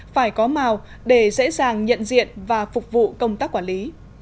phải có màu để dễ dàng nhận diện và phục vụ công tác quản lý